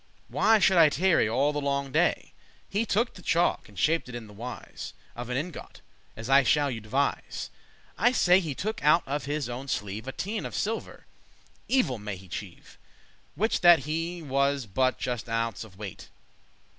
Why should I tarry all the longe day? He took the chalk, and shap'd it in the wise Of an ingot, as I shall you devise;* *describe I say, he took out of his owen sleeve A teine* of silver (evil may he cheve!) *little piece prosper Which that ne was but a just ounce of weight.